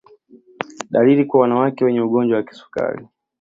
Dalili kwa wanawake wenye ugonjwa wa kisukari